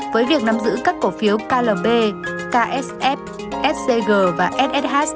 với việc nắm giữ các cổ phiếu klb ksf scg và ssh